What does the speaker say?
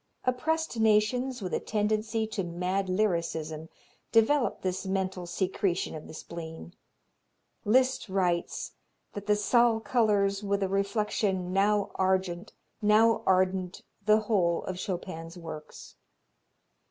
Oppressed nations with a tendency to mad lyrism develop this mental secretion of the spleen. Liszt writes that "the Zal colors with a reflection now argent, now ardent the whole of Chopin's works."